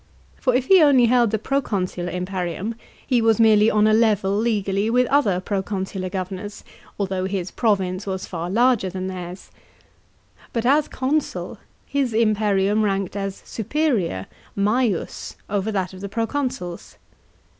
For if he only held the proconsular impe rium he was merely on a level legally with other proconsular governors, although his " province " was far larger than theirs. But as consul, his imperium ranked as superior (maius) over that of the proconsuls.